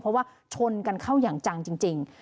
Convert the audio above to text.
เพราะว่าชนกันเข้าอย่างจังจริง